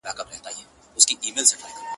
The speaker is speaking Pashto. چي پر دي دي او که خپل خوبونه ویني،